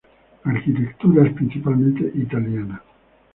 La arquitectura es principalmente italiana.